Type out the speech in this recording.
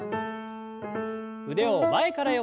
腕を前から横に。